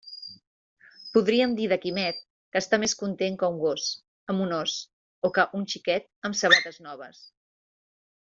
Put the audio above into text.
Podríem dir de Quimet que està més content que un gos amb un os o que un xiquet amb sabates noves.